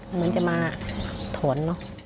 เหมือนจะมาถน